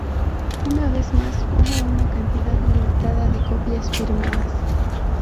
Una vez más, hubo una cantidad limitada de copias firmadas.